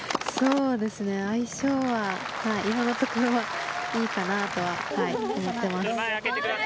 相性は今のところいいかなとは思ってます。